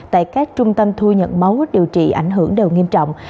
tại các trung tâm thu nhận máu điều trị ảnh hưởng đều nghiêm trọng